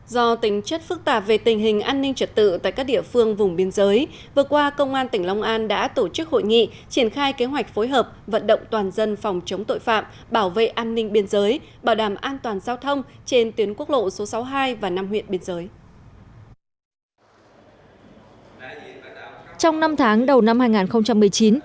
do tính chất phức tạp về tình hình an ninh trật tự tại các địa phương vùng biên giới vừa qua công an tỉnh long an đã tổ chức hội nghị triển khai kế hoạch phối hợp vận động toàn dân phòng chống tội phạm bảo vệ an ninh biên giới bảo đảm an toàn giao thông trên tuyến quốc lộ số sáu mươi hai và năm huyện biên giới